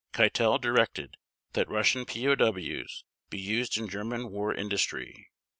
Keitel directed that Russian POW's be used in German war industry.